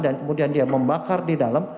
dan kemudian dia membakar di dalam